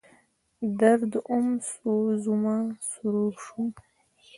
درد وم، سوز ومه، سرور شوم